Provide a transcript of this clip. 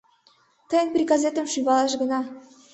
— Тыйын приказетым шӱвалаш гына!